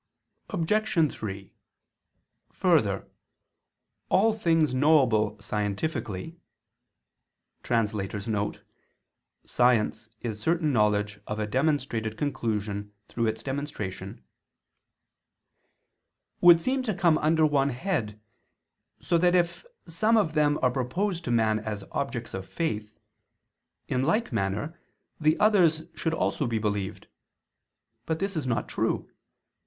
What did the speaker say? Obj. 3: Further, all things knowable scientifically [*Science is certain knowledge of a demonstrated conclusion through its demonstration] would seem to come under one head: so that if some of them are proposed to man as objects of faith, in like manner the others should also be believed. But this is not true.